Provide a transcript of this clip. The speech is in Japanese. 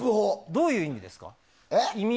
どういう意味ですか？